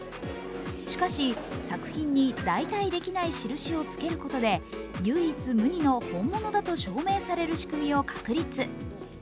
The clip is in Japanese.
しかし、作品に代替できない印を付けることで唯一無二の本物だと証明される仕組みを確立。